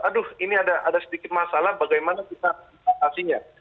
aduh ini ada sedikit masalah bagaimana kita mengatasinya